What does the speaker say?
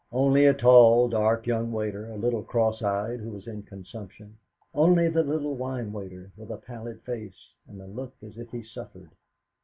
Only a tall, dark young waiter, a little cross eyed, who was in consumption; only the little wine waiter, with a pallid face, and a look as if he suffered.